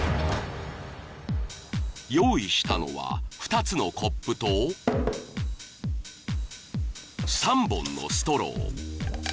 ［用意したのは２つのコップと３本のストロー］